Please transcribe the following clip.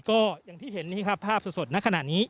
ก็อย่างที่เห็นภาพสดณขณะนี้